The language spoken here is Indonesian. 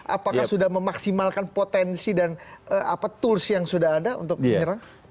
apakah sudah memaksimalkan potensi dan tools yang sudah ada untuk menyerang